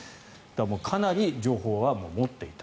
かなり情報は持っていた。